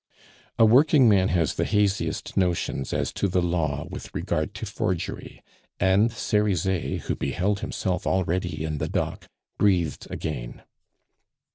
A working man has the haziest notions as to the law with regard to forgery; and Cerizet, who beheld himself already in the dock, breathed again.